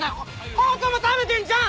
ハートも食べてんじゃん！